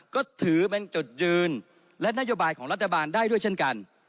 ก็ถือเป็นจุดยืนและนโยบายของรัฐบาลได้ด้วยเช่นกัน